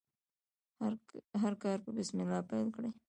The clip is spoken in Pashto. هر کار په بسم الله پیل کړئ.